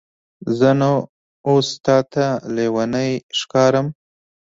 زه نو اوس تاته لیونی ښکارم؟